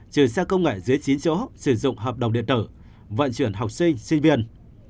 trừ xe công nghệ dưới chín chỗ sử dụng hợp đồng điện tử vận chuyển học sinh sinh viên